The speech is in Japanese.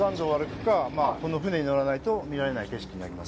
この船に乗らないと見られない景色になります。